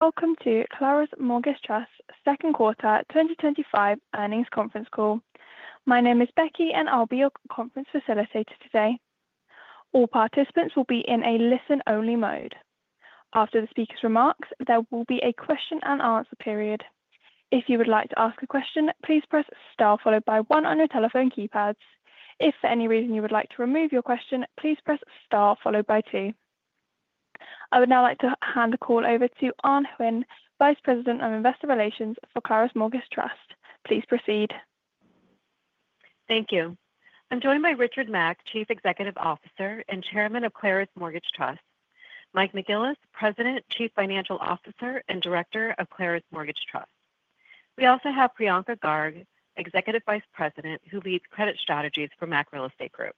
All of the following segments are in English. Welcome to Claros Mortgage Trust's Second Quarter 2025 Earnings Conference Call. My name is Becky, and I'll be your conference facilitator today. All participants will be in a listen-only mode. After the speakers' remarks, there will be a question and answer period. If you would like to ask a question, please press star followed by one on your telephone keypads. If for any reason you would like to remove your question, please press star followed by two. I would now like to hand the call over to Anh Huynh, Vice President of Investor Relations for Claros Mortgage Trust. Please proceed. Thank you. I'm joined by Richard Mack, Chief Executive Officer and Chairman of Claros Mortgage Trust, Mike McGillis, President, Chief Financial Officer and Director of Claros Mortgage Trust. We also have Priyanka Garg, Executive Vice President, who leads credit strategies for Mack Real Estate Group.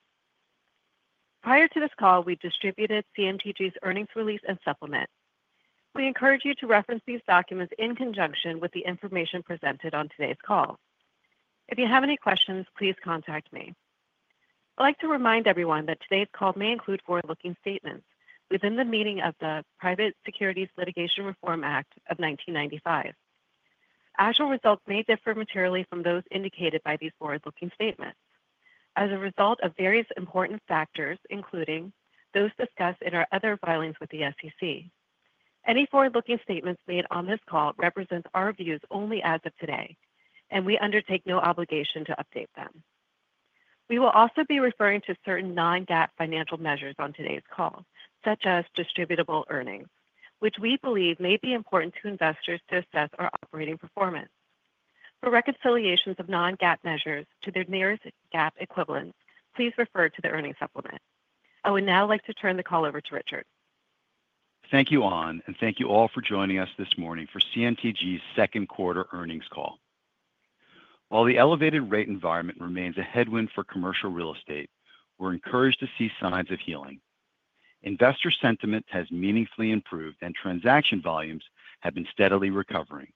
Prior to this call, we distributed CMTG's earnings release and supplement. We encourage you to reference these documents in conjunction with the information presented on today's call. If you have any questions, please contact me. I'd like to remind everyone that today's call may include forward-looking statements within the meaning of the Private Securities Litigation Reform Act of 1995. Actual results may differ materially from those indicated by these forward-looking statements as a result of various important factors, including those discussed in our other filings with the SEC. Any forward-looking statements made on this call represent our views only as of today, and we undertake no obligation to update them. We will also be referring to certain non-GAAP financial measures on today's call, such as distributable earnings, which we believe may be important to investors to assess our operating performance. For reconciliations of non-GAAP measures to their nearest GAAP equivalent, please refer to the earnings supplement. I would now like to turn the call over to Richard. Thank you, Anh, and thank you all for joining us this morning for CMTG's Second Quarter Earnings Call. While the elevated rate environment remains a headwind for commercial real estate, we're encouraged to see signs of healing. Investor sentiment has meaningfully improved, and transaction volumes have been steadily recovering.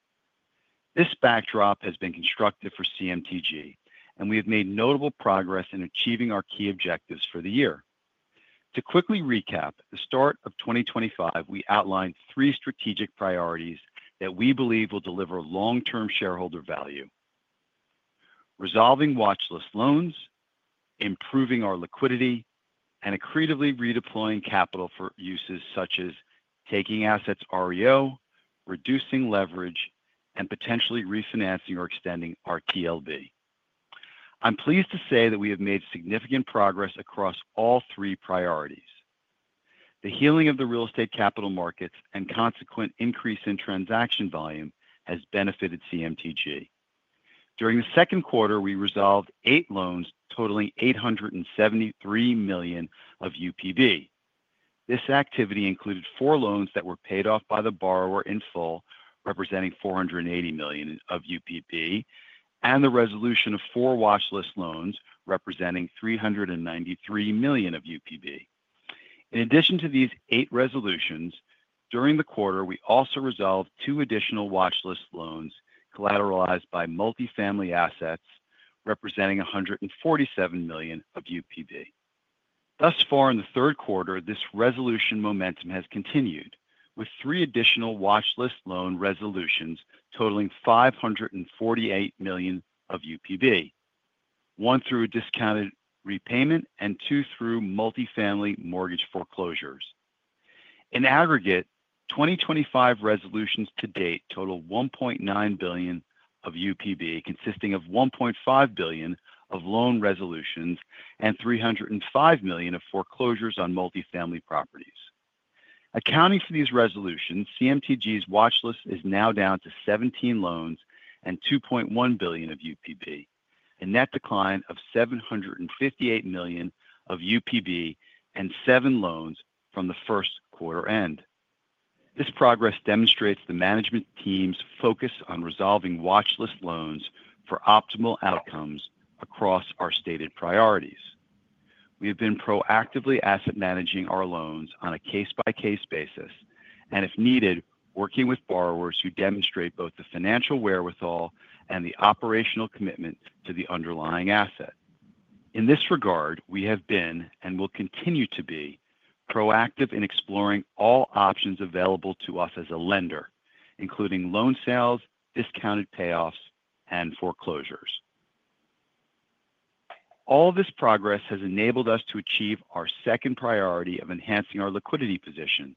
This backdrop has been constructive for CMTG, and we have made notable progress in achieving our key objectives for the year. To quickly recap, at the start of 2025, we outlined three strategic priorities that we believe will deliver long-term shareholder value: resolving watchlist loans, improving our liquidity, and creatively redeploying capital for uses such as taking assets REO, reducing leverage, and potentially refinancing or extending our TLB. I'm pleased to say that we have made significant progress across all three priorities. The healing of the real estate capital markets and the consequent increase in transaction volume have benefited CMTG. During the second quarter, we resolved eight loans totaling $873 million of UPB. This activity included four loans that were paid off by the borrower in full, representing $480 million of UPB, and the resolution of four watchlist loans, representing $393 million of UPB. In addition to these eight resolutions, during the quarter, we also resolved two additional watchlist loans collateralized by multifamily assets, representing $147 million of UPB. Thus far, in the third quarter, this resolution momentum has continued with three additional watchlist loan resolutions totaling $548 million of UPB, one through discounted repayment and two through multifamily mortgage foreclosures. In aggregate, 2025 resolutions to date total $1.9 billion of UPB, consisting of $1.5 billion of loan resolutions and $305 million of foreclosures on multifamily properties. Accounting for these resolutions, CMTG's watchlist is now down to 17 loans and $2.1 billion of UPB, a net decline of $758 million of UPB and seven loans from the first quarter end. This progress demonstrates the management team's focus on resolving watchlist loans for optimal outcomes across our stated priorities. We have been proactively asset managing our loans on a case-by-case basis and, if needed, working with borrowers who demonstrate both the financial wherewithal and the operational commitment to the underlying asset. In this regard, we have been and will continue to be proactive in exploring all options available to us as a lender, including loan sales, discounted payoffs, and foreclosures. All this progress has enabled us to achieve our second priority of enhancing our liquidity position.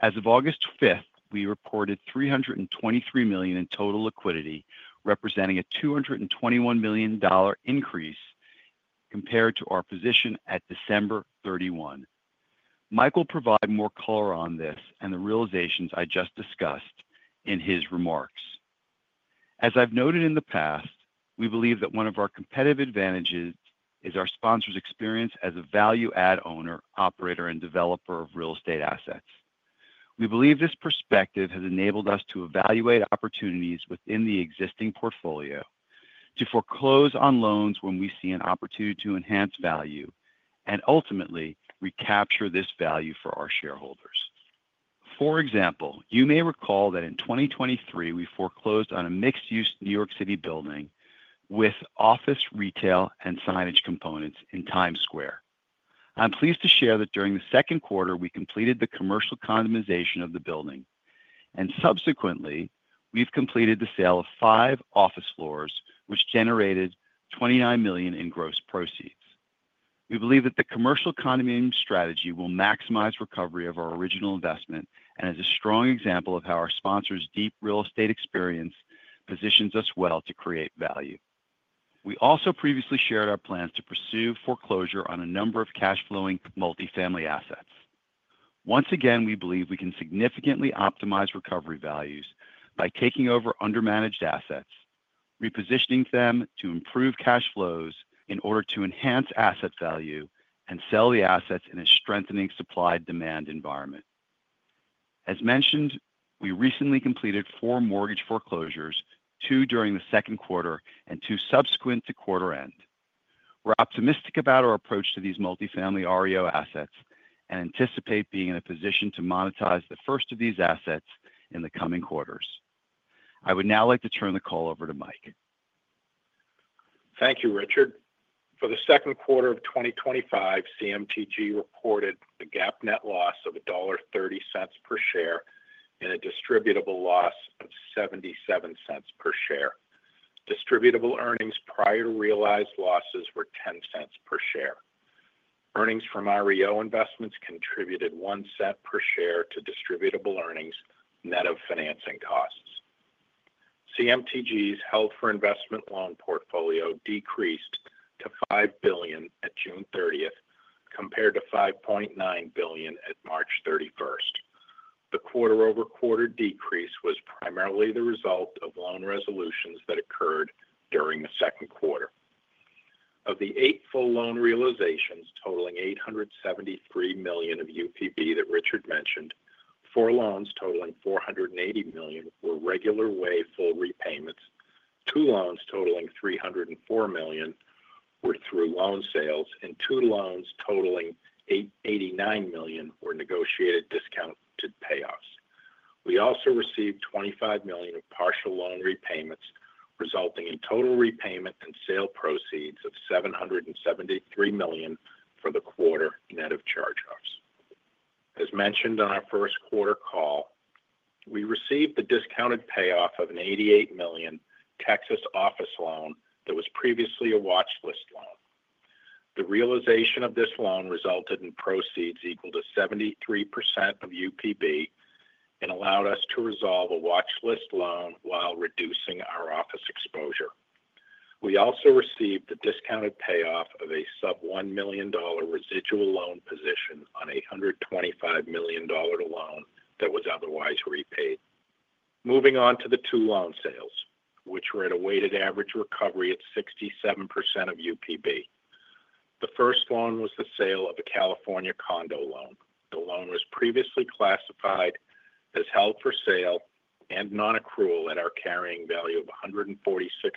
As of August 5th, we reported $323 million in total liquidity, representing a $221 million increase compared to our position at December 31. Mike will provide more color on this and the realizations I just discussed in his remarks. As I've noted in the past, we believe that one of our competitive advantages is our sponsor's experience as a value-add owner, operator, and developer of real estate assets. We believe this perspective has enabled us to evaluate opportunities within the existing portfolio to foreclose on loans when we see an opportunity to enhance value and ultimately recapture this value for our shareholders. For example, you may recall that in 2023, we foreclosed on a mixed-use New York City building with office, retail, and signage components in Times Square. I'm pleased to share that during the second quarter, we completed the commercial condomization of the building, and subsequently, we've completed the sale of five office floors, which generated $29 million in gross proceeds. We believe that the commercial condominium strategy will maximize recovery of our original investment and is a strong example of how our sponsor's deep real estate experience positions us well to create value. We also previously shared our plans to pursue foreclosure on a number of cash-flowing multifamily assets. Once again, we believe we can significantly optimize recovery values by taking over undermanaged assets, repositioning them to improve cash flows in order to enhance asset value, and sell the assets in a strengthening supply-demand environment. As mentioned, we recently completed four mortgage foreclosures, two during the second quarter and two subsequent to quarter end. We're optimistic about our approach to these multifamily REO assets and anticipate being in a position to monetize the first of these assets in the coming quarters. I would now like to turn the call over to Mike. Thank you, Richard. For the second quarter of 2025, CMTG reported a GAAP net loss of $1.30 per share and a distributable loss of $0.77 per share. Distributable earnings prior to realized losses were $0.10 per share. Earnings from REO investments contributed $0.01 per share to distributable earnings net of financing costs. CMTG's held-for-investment loan portfolio decreased to $5 billion at June 30th compared to $5.9 billion at March 31st. The quarter-over-quarter decrease was primarily the result of loan resolutions that occurred during the second quarter. Of the eight full loan realizations totaling $873 million of UPB that Richard mentioned, four loans totaling $480 million were regular-way full repayments, two loans totaling $304 million were through loan sales, and two loans totaling $89 million were negotiated discounted payoffs. We also received $25 million of partial loan repayments, resulting in total repayment and sale proceeds of $773 million for the quarter net of charge-offs. As mentioned on our first quarter call, we received the discounted payoff of an $88 million Texas office loan that was previously a watchlist loan. The realization of this loan resulted in proceeds equal to 73% of UPB and allowed us to resolve a watchlist loan while reducing our office exposure. We also received the discounted payoff of a sub-$1 million residual loan position on a $125 million loan that was otherwise repaid. Moving on to the two loan sales, which were at a weighted average recovery of 67% of UPB. The first loan was the sale of a California condo loan. The loan was previously classified as held for sale and non-accrual at our carrying value of $146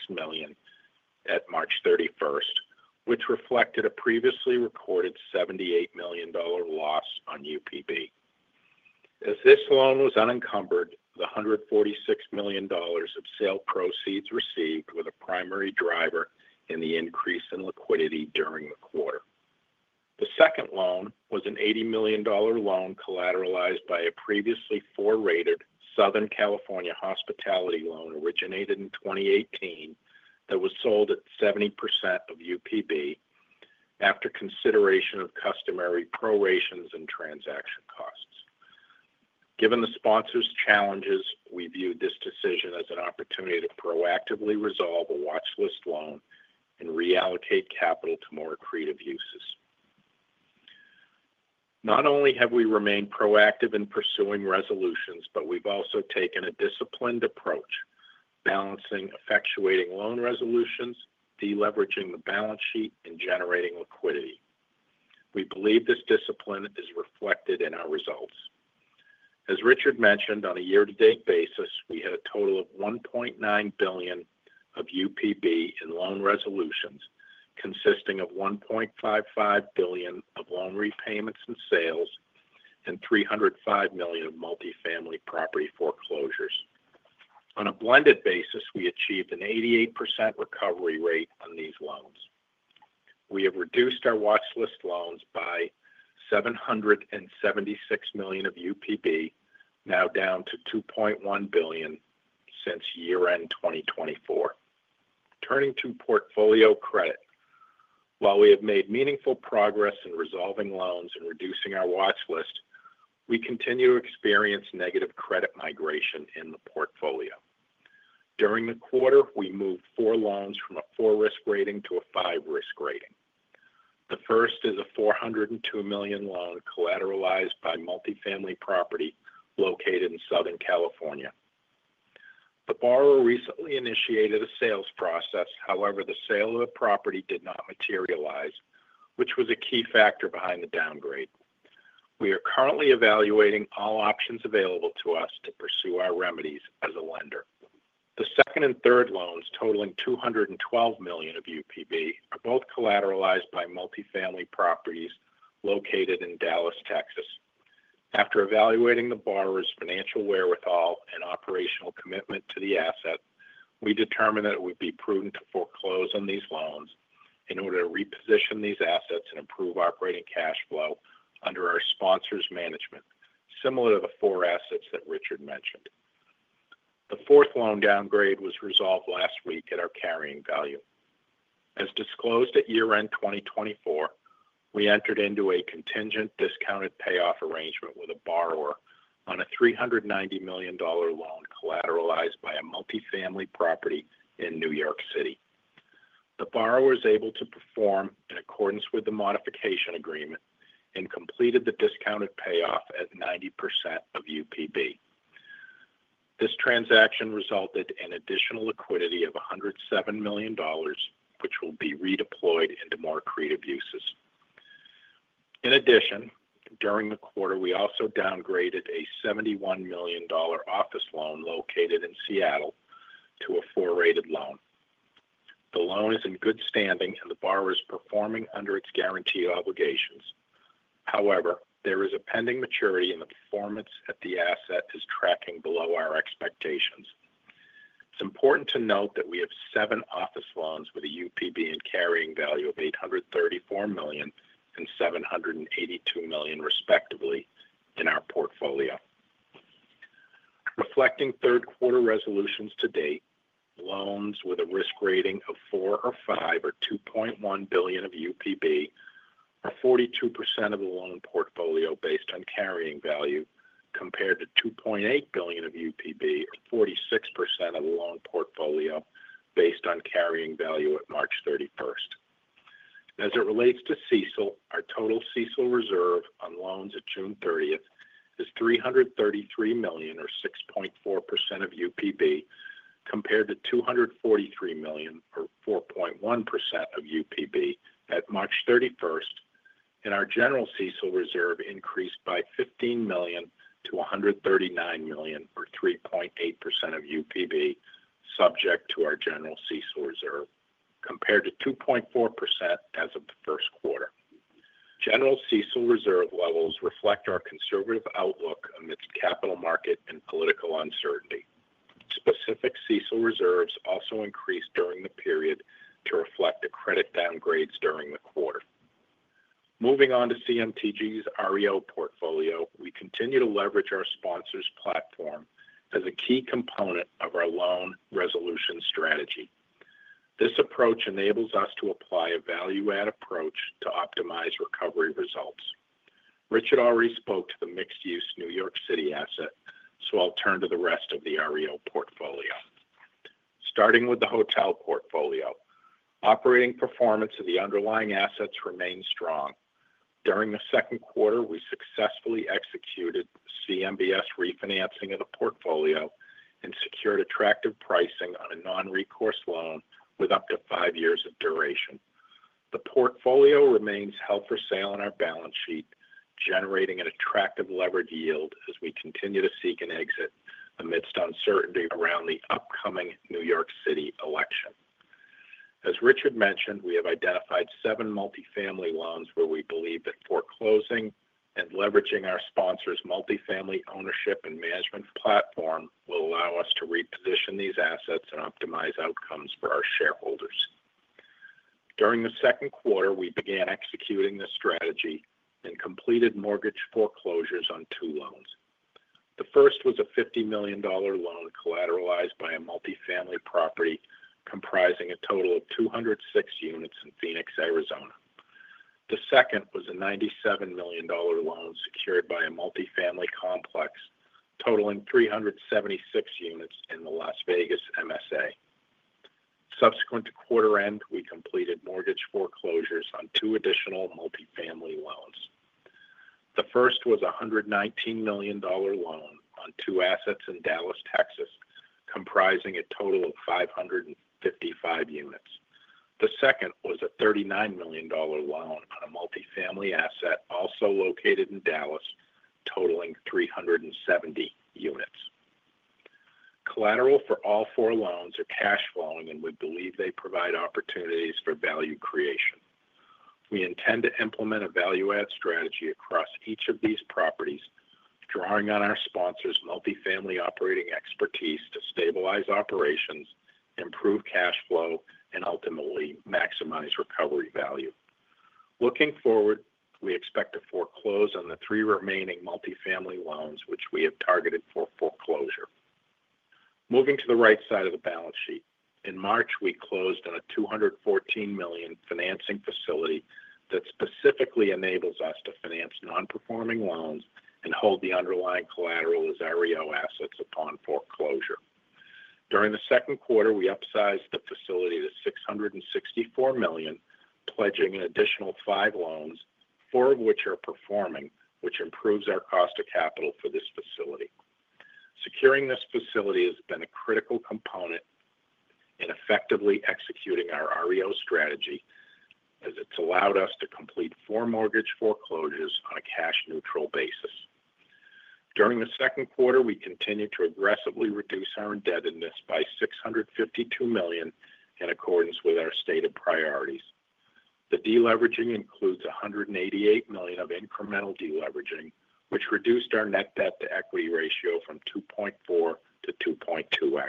million at March 31st, which reflected a previously recorded $78 million loss on UPB. As this loan was unencumbered, the $146 million of sale proceeds received were the primary driver in the increase in liquidity during the quarter. The second loan was an $80 million loan collateralized by a previously 4-rated Southern California hospitality loan originated in 2018 that was sold at 70% of UPB after consideration of customary prorations and transaction costs. Given the sponsor's challenges, we viewed this decision as an opportunity to proactively resolve a watchlist loan and reallocate capital to more creative uses. Not only have we remained proactive in pursuing resolutions, but we've also taken a disciplined approach, balancing effectuating loan resolutions, deleveraging the balance sheet, and generating liquidity. We believe this discipline is reflected in our results. As Richard mentioned, on a year-to-date basis, we had a total of $1.9 billion of UPB in loan resolutions, consisting of $1.55 billion of loan repayments and sales and $305 million of multifamily property foreclosures. On a blended basis, we achieved an 88% recovery rate on these loans. We have reduced our watchlist loans by $776 million of UPB, now down to $2.1 billion since year-end 2024. Turning to portfolio credit, while we have made meaningful progress in resolving loans and reducing our watchlist, we continue to experience negative credit migration in the portfolio. During the quarter, we moved four loans from a 4-risk rating to a 5-risk rating. The first is a $402 million loan collateralized by multifamily property located in Southern California. The borrower recently initiated a sales process, however, the sale of the property did not materialize, which was a key factor behind the downgrade. We are currently evaluating all options available to us to pursue our remedies as a lender. The second and third loans, totaling $212 million of UPB, are both collateralized by multifamily properties located in Dallas, Texas. After evaluating the borrower's financial wherewithal and operational commitment to the asset, we determined that it would be prudent to foreclose on these loans in order to reposition these assets and improve operating cash flow under our sponsor's management, similar to the four assets that Richard mentioned. The fourth loan downgrade was resolved last week at our carrying value. As disclosed at year-end 2024, we entered into a contingent discounted payoff arrangement with a borrower on a $390 million loan collateralized by a multifamily property in New York City. The borrower was able to perform in accordance with the modification agreement and completed the discounted payoff at 90% of UPB. This transaction resulted in additional liquidity of $107 million, which will be redeployed into more creative uses. In addition, during the quarter, we also downgraded a $71 million office loan located in Seattle to a 4-rated loan. The loan is in good standing, and the borrower is performing under its guaranteed obligations. However, there is a pending maturity, and the performance at the asset is tracking below our expectations. It's important to note that we have seven office loans with a UPB and carrying value of $834 million and $782 million, respectively, in our portfolio. Reflecting third quarter resolutions to date, loans with a risk rating of 4 or 5 or $2.1 billion of UPB are 42% of the loan portfolio based on carrying value, compared to $2.8 billion of UPB, or 46% of the loan portfolio based on carrying value at March 31st. As it relates to CECL, our total CECL reserve on loans at June 30th is $333 million, or 6.4% of UPB, compared to $243 million, or 4.1% of UPB at March 31st, and our general CECL reserve increased by $15 million to $139 million, or 3.8% of UPB, subject to our general CECL reserve, compared to 2.4% as of the first quarter. General CECL reserve levels reflect our conservative outlook amidst capital market and political uncertainty. Specific CECL reserves also increased during the period to reflect the credit downgrades during the quarter. Moving on to CMTG's REO portfolio, we continue to leverage our sponsor's platform as a key component of our loan resolution strategy. This approach enables us to apply a value-add approach to optimize recovery results. Richard already spoke to the mixed-use New York City asset, so I'll turn to the rest of the REO portfolio. Starting with the hotel portfolio, operating performance of the underlying assets remains strong. During the second quarter, we successfully executed CMBS refinancing of the portfolio and secured attractive pricing on a non-recourse loan with up to five years of duration. The portfolio remains held for sale on our balance sheet, generating an attractive leverage yield as we continue to seek an exit amidst uncertainty around the upcoming New York City election. As Richard mentioned, we have identified seven multifamily loans where we believe that foreclosing and leveraging our sponsor's multifamily ownership and management platform will allow us to reposition these assets and optimize outcomes for our shareholders. During the second quarter, we began executing the strategy and completed mortgage foreclosures on two loans. The first was a $50 million loan collateralized by a multifamily property comprising a total of 206 units in Phoenix, Arizona. The second was a $97 million loan secured by a multifamily complex totaling 376 units in the Las Vegas MSA. Subsequent to quarter end, we completed mortgage foreclosures on two additional multifamily loans. The first was a $119 million loan on two assets in Dallas, Texas, comprising a total of 555 units. The second was a $39 million loan on a multifamily asset also located in Dallas, totaling 370 units. Collateral for all four loans are cash-flowing, and we believe they provide opportunities for value creation. We intend to implement a value-add strategy across each of these properties, drawing on our sponsor's multifamily operating expertise to stabilize operations, improve cash flow, and ultimately maximize recovery value. Looking forward, we expect to foreclose on the three remaining multifamily loans, which we have targeted for foreclosure. Moving to the right side of the balance sheet, in March, we closed on a $214 million financing facility that specifically enables us to finance non-performing loans and hold the underlying collateral as REO assets upon foreclosure. During the second quarter, we upsized the facility to $664 million, pledging an additional five loans, four of which are performing, which improves our cost of capital for this facility. Securing this facility has been a critical component in effectively executing our REO strategy, as it's allowed us to complete four mortgage foreclosures on a cash-neutral basis. During the second quarter, we continued to aggressively reduce our indebtedness by $652 million in accordance with our stated priorities. The deleveraging includes $188 million of incremental deleveraging, which reduced our net debt-to-equity ratio from 2.4x to 2.2x.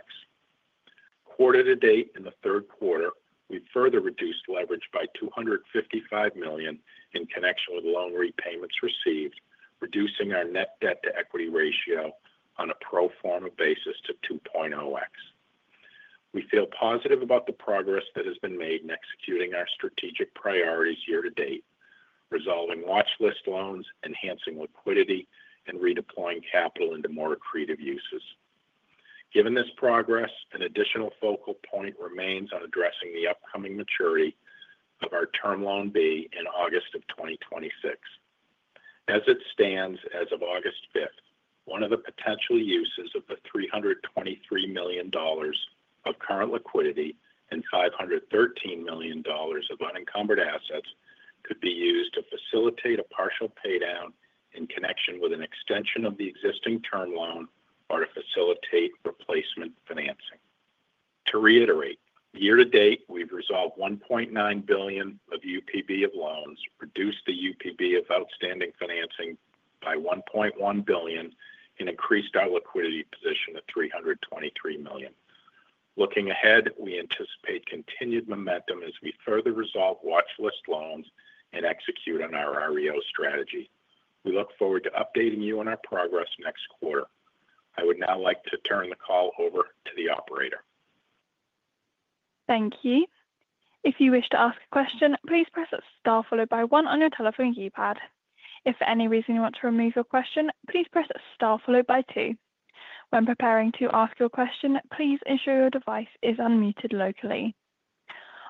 Quarter to date in the third quarter, we further reduced leverage by $255 million in connection with loan repayments received, reducing our net debt-to-equity ratio on a pro forma basis to 2.0x. We feel positive about the progress that has been made in executing our strategic priorities year to date, resolving watchlist loans, enhancing liquidity, and redeploying capital into more creative uses. Given this progress, an additional focal point remains on addressing the upcoming maturity of our Term Loan B in August of 2026. As it stands as of August 5th, one of the potential uses of the $323 million of current liquidity and $513 million of unencumbered assets could be used to facilitate a partial paydown in connection with an extension of the existing term loan or to facilitate replacement financing. To reiterate, year to date, we've resolved $1.9 billion of UPB of loans, reduced the UPB of outstanding financing by $1.1 billion, and increased our liquidity position at $323 million. Looking ahead, we anticipate continued momentum as we further resolve watchlist loans and execute on our REO strategy. We look forward to updating you on our progress next quarter. I would now like to turn the call over to the operator. Thank you. If you wish to ask a question, please press star followed by one on your telephone keypad. If for any reason you want to remove your question, please press star followed by two. When preparing to ask your question, please ensure your device is unmuted locally.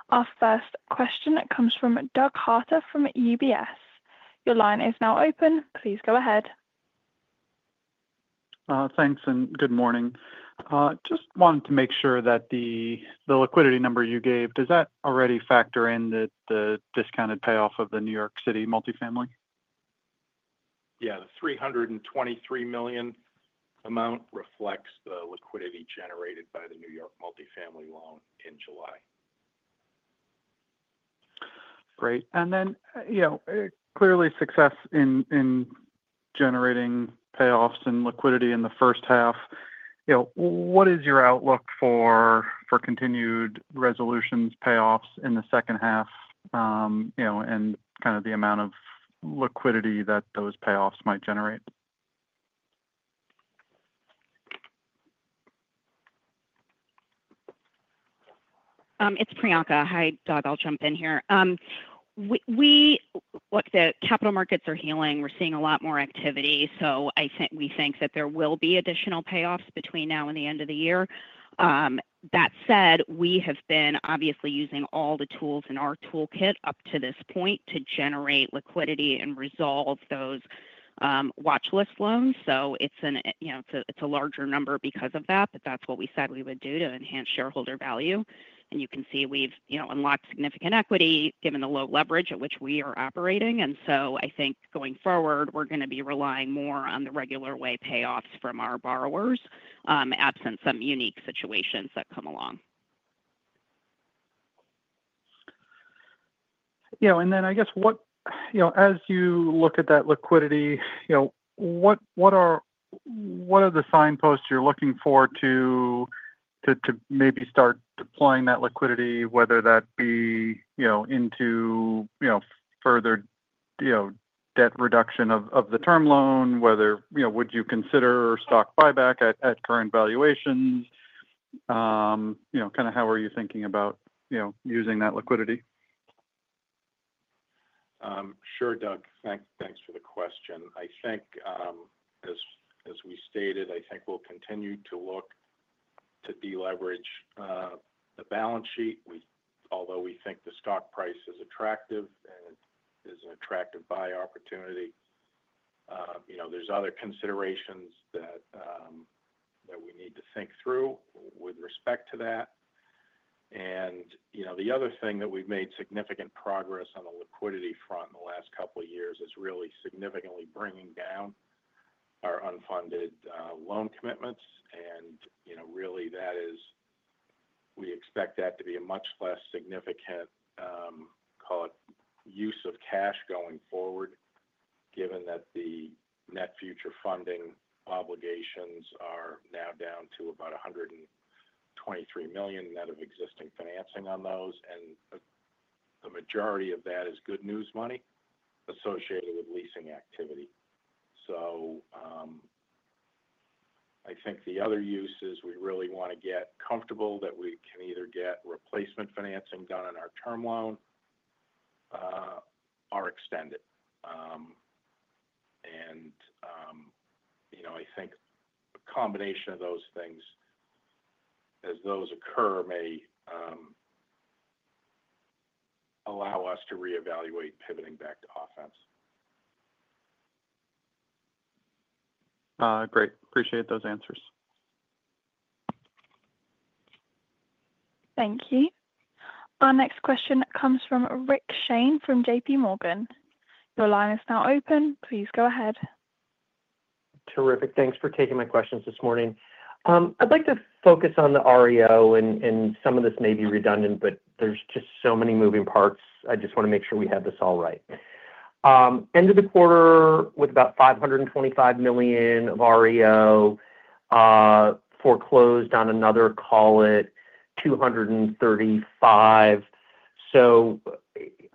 Our first question comes from Doug Harter from UBS. Your line is now open. Please go ahead. Thanks, and good morning. I just wanted to make sure that the liquidity number you gave, does that already factor in the discounted payoff of the New York City multifamily? Yeah, the $323 million amount reflects the liquidity generated by the New York multifamily loan in July. Great. Clearly success in generating payoffs and liquidity in the first half. What is your outlook for continued resolutions, payoffs in the second half, and the amount of liquidity that those payoffs might generate? It's Priyanka. Hi, Doug. I'll jump in here. Look, the capital markets are healing. We're seeing a lot more activity. I think we think that there will be additional payoffs between now and the end of the year. That said, we have been obviously using all the tools in our toolkit up to this point to generate liquidity and resolve those watchlist loans. It's a larger number because of that, but that's what we said we would do to enhance shareholder value. You can see we've unlocked significant equity given the low leverage at which we are operating. I think going forward, we're going to be relying more on the regular way payoffs from our borrowers absent some unique situations that come along. As you look at that liquidity, what are the signposts you're looking for to maybe start deploying that liquidity, whether that be into further debt reduction of the term loan, or would you consider stock buyback at current valuations? How are you thinking about using that liquidity? Sure, Doug. Thanks for the question. I think, as we stated, I think we'll continue to look to deleverage the balance sheet. Although we think the stock price is attractive and it is an attractive buy opportunity, there's other considerations that we need to think through with respect to that. The other thing that we've made significant progress on the liquidity front in the last couple of years is really significantly bringing down our unfunded loan commitments. That is, we expect that to be a much less significant, call it, use of cash going forward, given that the net future funding obligations are now down to about $123 million net of existing financing on those. The majority of that is good news money associated with leasing activity. I think the other use is we really want to get comfortable that we can either get replacement financing done on our term loan or extend it. I think a combination of those things, as those occur, may allow us to reevaluate pivoting back to offense. Great. Appreciate those answers. Thank you. Our next question comes from Rick Shane from JPMorgan. Your line is now open. Please go ahead. Terrific. Thanks for taking my questions this morning. I'd like to focus on the REO, and some of this may be redundant, but there's just so many moving parts. I just want to make sure we have this all right. End of the quarter with about $525 million of REO, foreclosed on another call at $235 million.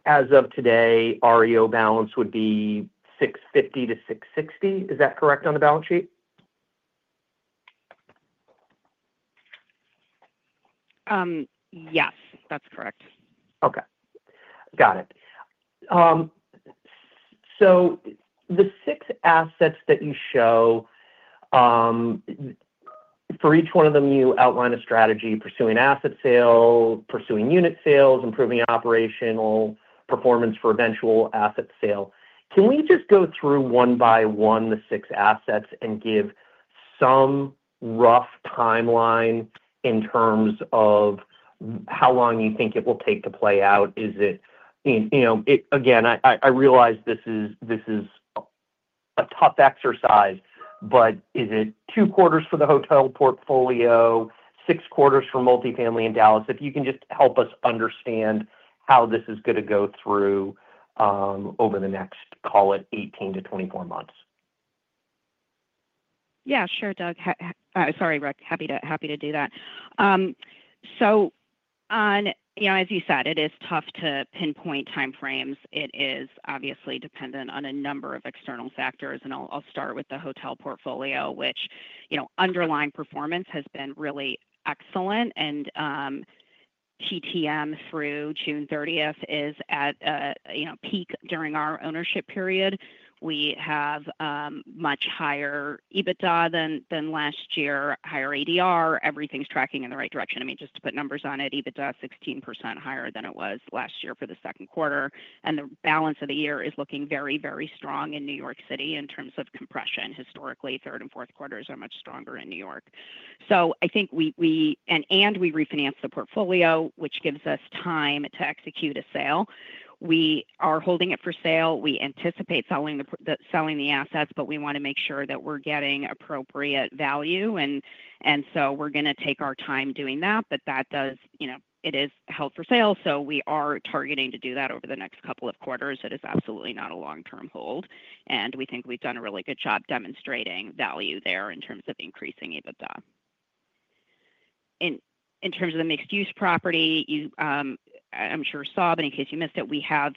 As of today, REO balance would be $650 million-$660 million. Is that correct on the balance sheet? Yes, that's correct. Okay. Got it. The six assets that you show, for each one of them, you outline a strategy: pursuing asset sale, pursuing unit sales, improving operational performance for eventual asset sale. Can we just go through one by one the six assets and give some rough timeline in terms of how long you think it will take to play out? Is it, you know, I realize this is a tough exercise, but is it two quarters for the hotel portfolio, six quarters for multifamily in Dallas? If you can just help us understand how this is going to go through, over the next, call it, 18-24 months. Yeah, sure, Doug. Sorry, Rick. Happy to do that. As you said, it is tough to pinpoint timeframes. It is obviously dependent on a number of external factors. I'll start with the hotel portfolio, which, underlying performance has been really excellent. TTM through June 30th is at peak during our ownership period. We have much higher EBITDA than last year, higher ADR. Everything's tracking in the right direction. Just to put numbers on it, EBITDA is 16% higher than it was last year for the second quarter. The balance of the year is looking very, very strong in New York City in terms of compression. Historically, third and fourth quarters are much stronger in New York. I think we refinanced the portfolio, which gives us time to execute a sale. We are holding it for sale. We anticipate selling the assets, but we want to make sure that we're getting appropriate value. We are going to take our time doing that. It is held for sale. We are targeting to do that over the next couple of quarters. It is absolutely not a long-term hold. We think we've done a really good job demonstrating value there in terms of increasing EBITDA. In terms of the mixed-use property, you, I'm sure saw, but in case you missed it, we have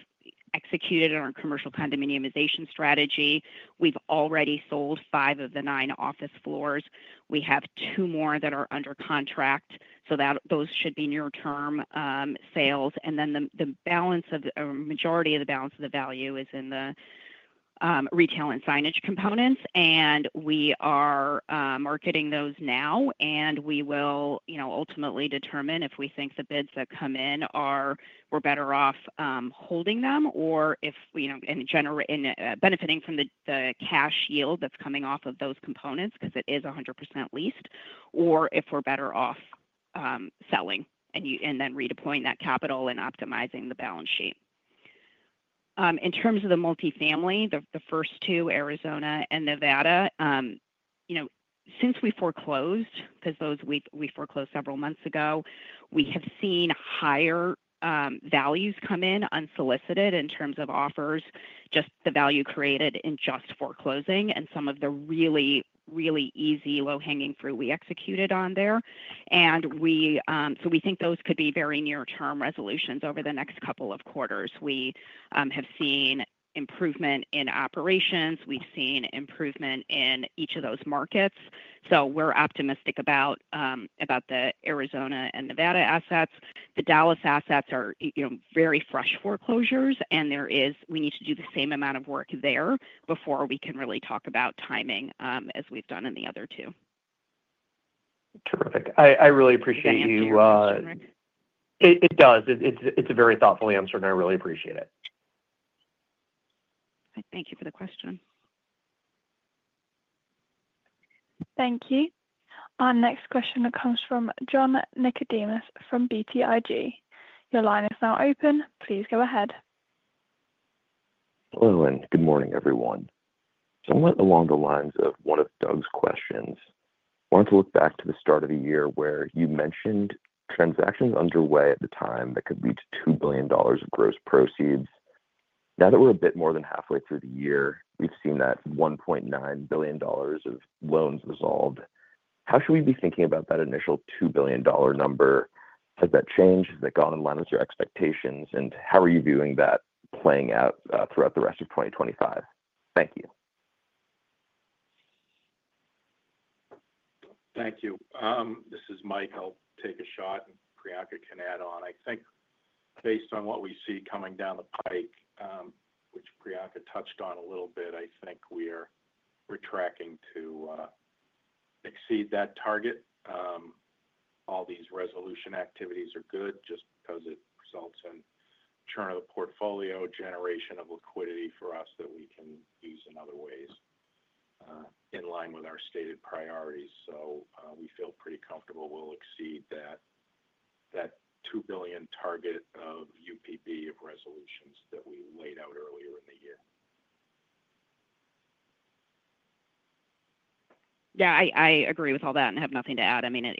executed on our commercial condominiumization strategy. We've already sold five of the nine office floors. We have two more that are under contract. Those should be near-term sales. The majority of the balance of the value is in the retail and signage components. We are marketing those now. We will ultimately determine if we think the bids that come in are, we're better off holding them or if, in general, in benefiting from the cash yield that's coming off of those components because it is 100% leased, or if we're better off selling and then redeploying that capital and optimizing the balance sheet. In terms of the multifamily, the first two, Arizona and Nevada, since we foreclosed, because we foreclosed several months ago, we have seen higher values come in unsolicited in terms of offers, just the value created in just foreclosing and some of the really, really easy low-hanging fruit we executed on there. We think those could be very near-term resolutions over the next couple of quarters. We have seen improvement in operations. We've seen improvement in each of those markets. We're optimistic about the Arizona and Nevada assets. The Dallas assets are very fresh foreclosures, and we need to do the same amount of work there before we can really talk about timing, as we've done in the other two. Terrific. I really appreciate you. Thank you, Rick. It does. It's a very thoughtful answer, and I really appreciate it. Thank you for the question. Thank you. Our next question comes from John Nickodemus from BTIG. Your line is now open. Please go ahead. Hello, and good morning, everyone. Somewhat along the lines of one of Doug's questions, I wanted to look back to the start of the year where you mentioned transactions underway at the time that could lead to $2 billion of gross proceeds. Now that we're a bit more than halfway through the year, we've seen that $1.9 billion of loans resolved. How should we be thinking about that initial $2 billion number? Has that changed? Has that gone in line with your expectations? How are you viewing that playing out throughout the rest of 2025? Thank you. Thank you. This is Mike. I'll take a shot, and Priyanka can add on. I think based on what we see coming down the pike, which Priyanka touched on a little bit, we are tracking to exceed that target. All these resolution activities are good just because it results in churn of the portfolio, generation of liquidity for us that we can use in other ways in line with our stated priorities. We feel pretty comfortable we'll exceed that $2 billion target of UPB of resolutions that we laid out earlier in the year. Yeah, I agree with all that and have nothing to add. I mean,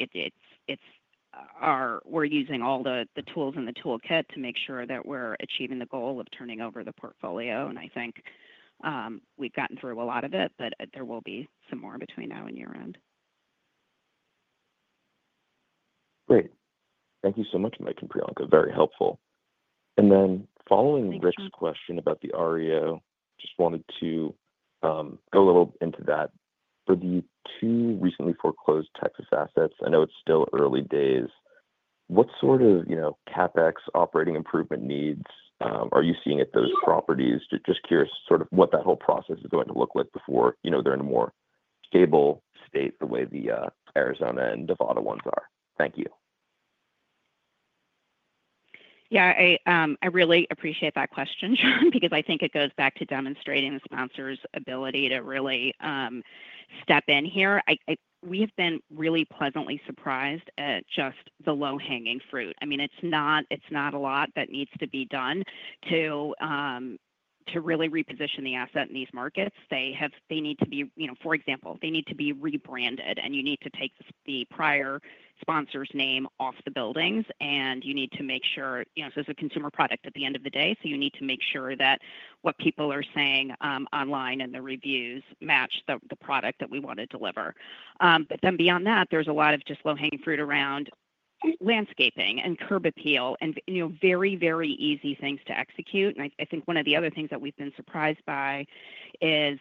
we're using all the tools in the toolkit to make sure that we're achieving the goal of turning over the portfolio. I think we've gotten through a lot of it, but there will be some more between now and year-end. Great. Thank you so much, Mike and Priyanka. Very helpful. Following Rick's question about the REO, I just wanted to go a little into that. For the two recently foreclosed Texas assets, I know it's still early days. What sort of CapEx operating improvement needs are you seeing at those properties? Just curious what that whole process is going to look like before they're in a more stable state the way the Arizona and Nevada ones are. Thank you. Yeah, I really appreciate that question because I think it goes back to demonstrating the sponsor's ability to really step in here. We have been really pleasantly surprised at just the low-hanging fruit. I mean, it's not a lot that needs to be done to really reposition the asset in these markets. They need to be, for example, they need to be rebranded, and you need to take the prior sponsor's name off the buildings, and you need to make sure, you know, it's a consumer product at the end of the day. You need to make sure that what people are saying online and the reviews match the product that we want to deliver. There is a lot of just low-hanging fruit around landscaping and curb appeal and very, very easy things to execute. I think one of the other things that we've been surprised by is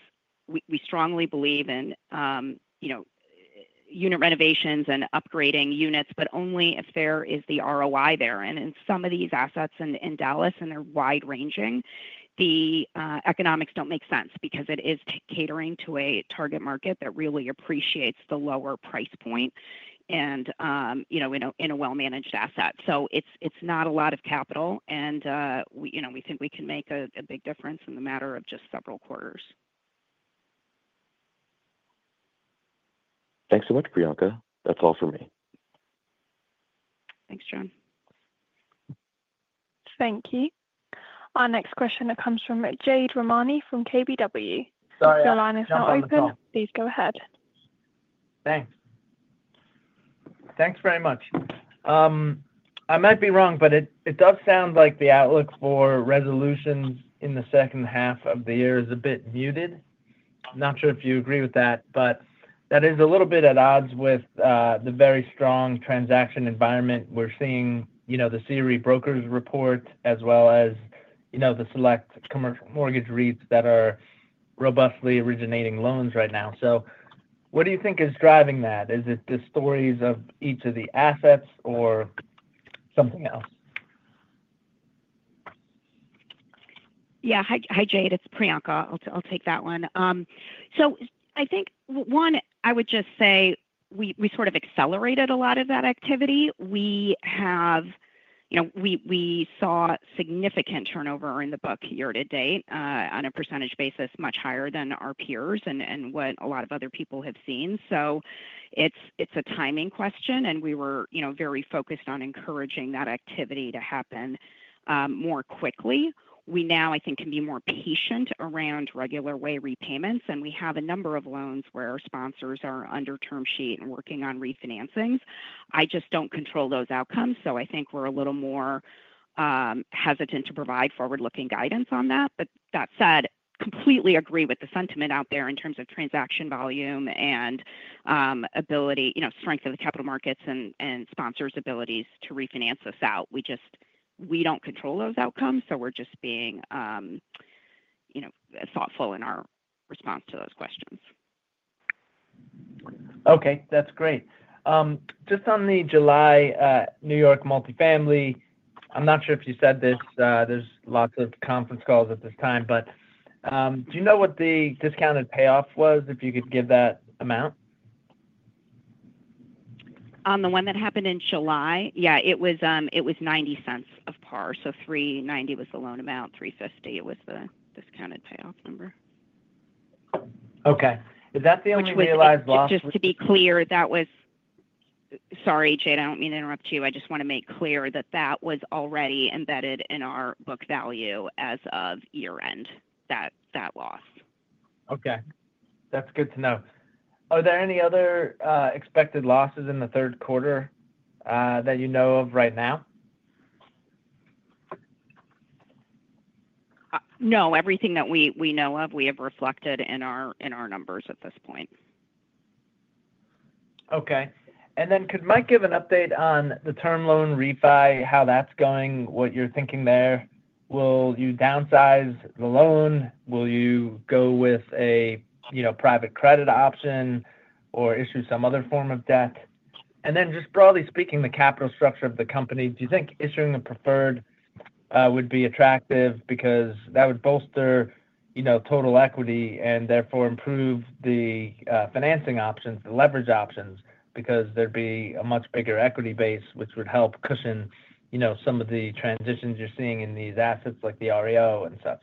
we strongly believe in unit renovations and upgrading units, but only if there is the ROI there. In some of these assets in Dallas, and they're wide-ranging, the economics don't make sense because it is catering to a target market that really appreciates the lower price point in a well-managed asset. It's not a lot of capital. We think we can make a big difference in the matter of just several quarters. Thanks so much, Priyanka. That's all for me. Thanks, John. Thank you. Our next question comes from Jade Rahmani from KBW. Your line is now open. Please go ahead. Thanks. Thanks very much. I might be wrong, but it does sound like the outlook for resolution in the second half of the year is a bit muted. I'm not sure if you agree with that, but that is a little bit at odds with the very strong transaction environment we're seeing, the CRE brokers' report, as well as the select commercial mortgage REITs that are robustly originating loans right now. What do you think is driving that? Is it the stories of each of the assets or something else? Yeah. Hi, Jade. It's Priyanka. I'll take that one. I think, one, I would just say we sort of accelerated a lot of that activity. We have, you know, we saw significant turnover in the book year to date on a percentage basis, much higher than our peers and what a lot of other people have seen. It's a timing question, and we were, you know, very focused on encouraging that activity to happen more quickly. We now, I think, can be more patient around regular way repayments. We have a number of loans where our sponsors are under term sheet and working on refinancings. I just don't control those outcomes. I think we're a little more hesitant to provide forward-looking guidance on that. That said, I completely agree with the sentiment out there in terms of transaction volume and ability, you know, strength of the capital markets and sponsors' abilities to refinance us out. We just, we don't control those outcomes. We're just being, you know, thoughtful in our response to those questions. Okay. That's great. Just on the July New York multifamily, I'm not sure if you said this. There's lots of conference calls at this time, but do you know what the discounted payoff was if you could give that amount? On the one that happened in July? Yeah, it was $0.90 of par. So $390 million was the loan amount. $350 million was the discounted payoff number. Okay. Is that the only realized loss? Just to be clear, Jade, I don't mean to interrupt you. I just want to make clear that that was already embedded in our book value as of year-end, that that loss. Okay. That's good to know. Are there any other expected losses in the third quarter that you know of right now? No. Everything that we know of, we have reflected in our numbers at this point. Okay. Could Mike give an update on the term loan refi, how that's going, what you're thinking there? Will you downsize the loan? Will you go with a private credit option or issue some other form of debt? Just broadly speaking, the capital structure of the company, do you think issuing a preferred would be attractive because that would bolster total equity and therefore improve the financing options, the leverage options, because there'd be a much bigger equity base, which would help cushion some of the transitions you're seeing in these assets like the REO and such?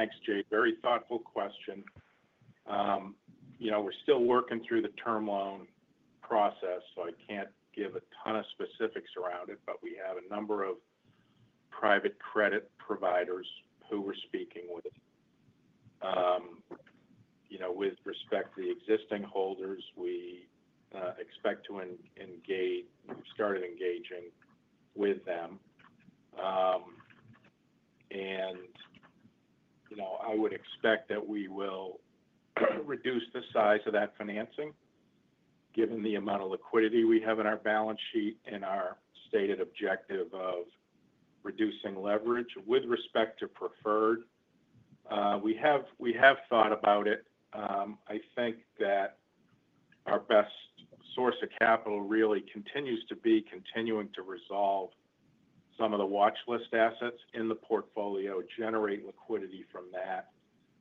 Yeah. Thanks, Jade. Very thoughtful question. We're still working through the term loan process, so I can't give a ton of specifics around it, but we have a number of private credit providers who we're speaking with. With respect to the existing holders, we expect to start engaging with them. I would expect that we will reduce the size of that financing given the amount of liquidity we have in our balance sheet and our stated objective of reducing leverage with respect to preferred. We have thought about it. I think that our best source of capital really continues to be continuing to resolve some of the watchlist assets in the portfolio, generate liquidity from that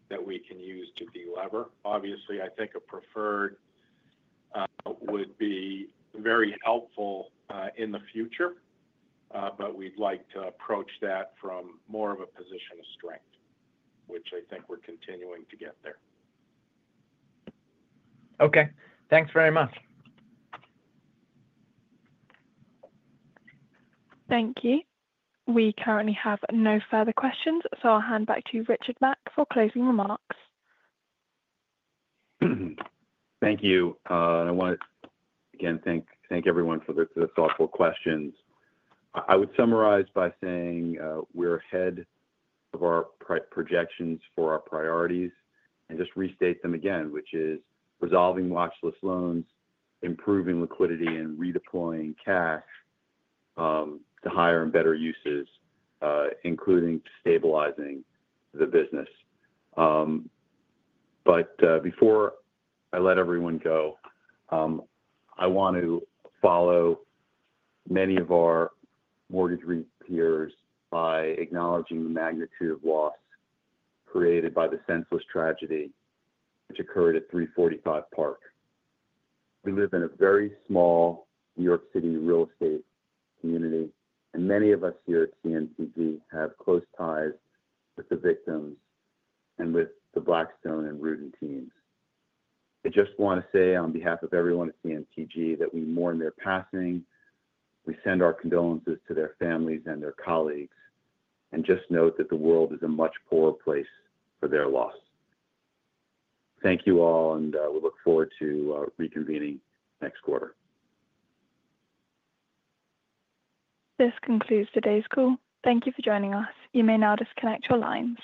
that we can use to delever. Obviously, I think a preferred would be very helpful in the future, but we'd like to approach that from more of a position of strength, which I think we're continuing to get there. Okay, thanks very much. Thank you. We currently have no further questions, so I'll hand back to Richard Mack for closing remarks. Thank you. I want to thank everyone for the thoughtful questions. I would summarize by saying we're ahead of our projections for our priorities and just restate them again, which is resolving watchlist loans, improving liquidity, and redeploying cash to higher and better uses, including stabilizing the business. Before I let everyone go, I want to follow many of our mortgage peers by acknowledging the magnitude of loss created by the senseless tragedy which occurred at 345 Park. We live in a very small New York City real estate community, and many of us here at CMTG have close ties with the victims and with the Blackstone and Rudin teams. I just want to say on behalf of everyone at CMTG that we mourn their passing. We send our condolences to their families and their colleagues and just note that the world is a much poorer place for their loss. Thank you all, and we look forward to reconvening next quarter. This concludes today's call. Thank you for joining us. You may now disconnect your lines.